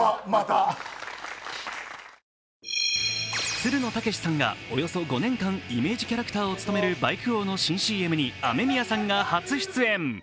つるの剛士さんがおよそ５年間イメージキャラクターを務めるバイク王の新ＣＭにＡＭＥＭＩＹＡさんが初出演。